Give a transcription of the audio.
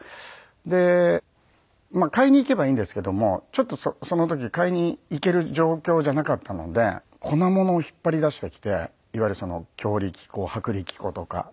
でまあ買いに行けばいいんですけどもちょっとその時買いに行ける状況じゃなかったので粉物を引っ張り出してきていわゆる強力粉薄力粉とか。